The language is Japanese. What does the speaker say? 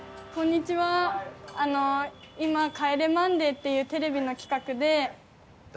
あの今『帰れマンデー』っていうテレビの企画で。